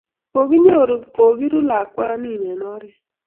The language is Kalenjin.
kokinyoru kokiru lakwani eng' oret.